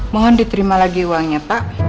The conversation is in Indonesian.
mohon diterima lagi uangnya pak